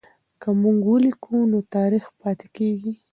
که موږ ولیکو نو تاریخ پاتې کېږي.